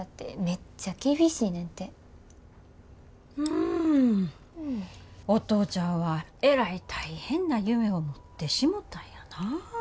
んお父ちゃんはえらい大変な夢を持ってしもたんやな。